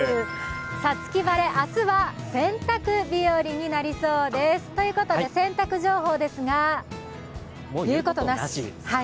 五月晴れ、明日は洗濯日和になりそうです。ということで洗濯情報ですが、言うことなし。